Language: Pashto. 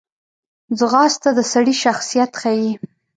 ځغاسته د سړي شخصیت ښیي